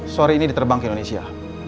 sore ini diterbang ke indonesia